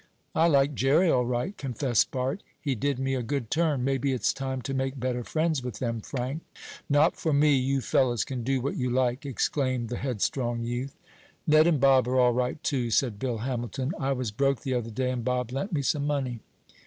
"I like Jerry all right," confessed Bart. "He did me a good turn. Maybe it's time to make better friends with them, Frank." "Not for me! You fellows can do what you like!" exclaimed the headstrong youth. "Ned and Bob are all right, too," said Bill Hamilton. "I was broke the other day and Bob lent me some money."